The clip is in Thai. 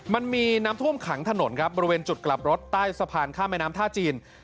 มันมีน้ำท่วมขังถนนครับบริเวณจุดกลับรถใต้สะพานข้ามแม่น้ำท่าจีน